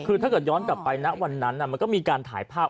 คือถ้าเกิดย้อนกลับไปนะวันนั้นมันก็มีการถ่ายภาพ